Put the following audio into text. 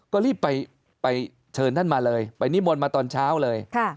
ก็รีบไปเชิญท่านมาเลยไปนิมนต์มาตอนเช้าเลย